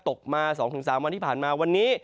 ตกมา๒๓วันที่ผ่านมาวันนี้